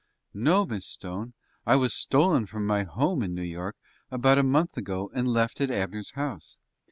"No, Miss Stone; I was stolen from my home in New York about a month ago, and left at Abner's house.